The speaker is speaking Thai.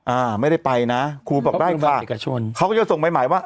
อ่าไม่ได้ไปนะครูบอกได้ค่ะเขาก็จะส่งหมายหมายว่า